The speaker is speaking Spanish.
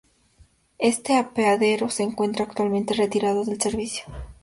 Este apeadero se encuentra, actualmente, retirado del servicio.